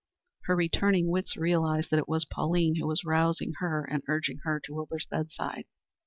Her returning wits realized that it was Pauline who was arousing her and urging her to Wilbur's bed side.